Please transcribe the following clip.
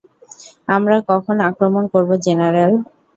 আমরা কখন আক্রমণ করব, জেনারেল?